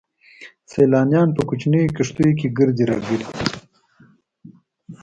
سيلانيان په کوچنيو کښتيو کې ګرځي را ګرځي.